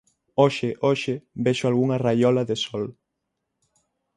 Hoxe, hoxe, vexo algunha raiola de sol.